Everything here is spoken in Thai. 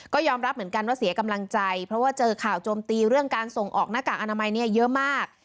ก็ยอมรับเหมือนกันว่าเสียกำลังใจเพราะว่าเจอข่าวโจมตีเรื่องการส่งออกหน้ากากอนามัยเนี่ยเยอะมาก